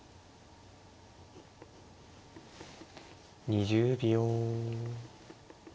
２０秒。